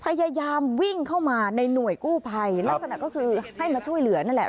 พยายามวิ่งเข้ามาในหน่วยกู้ภัยลักษณะก็คือให้มาช่วยเหลือนั่นแหละ